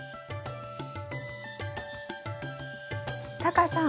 タカさん